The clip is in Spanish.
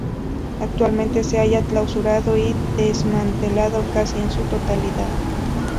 Actualmente se halla clausurado y desmantelado casi en su totalidad.